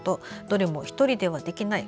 どれも１人ではできない。